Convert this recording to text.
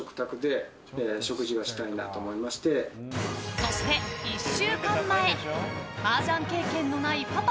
そして１週間前マージャン経験のないパパ